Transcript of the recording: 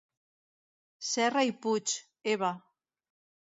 Serra i Puig, Eva.